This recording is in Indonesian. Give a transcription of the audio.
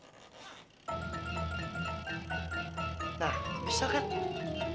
biar saya mau pip hemat dan angkot angkotnya